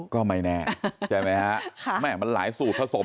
ก็ไม่แน่ใช่ไหมฮะแม่มันหลายสูตรผสม